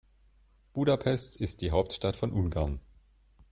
Budapest ist die Hauptstadt von Ungarn.